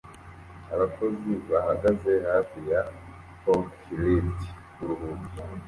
Abakozi bahagaze hafi ya forklift kuruhuka